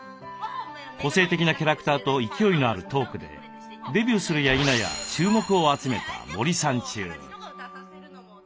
個性的なキャラクターと勢いのあるトークでデビューするやいなや注目を集めた森三中。